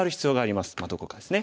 まあどこかですね。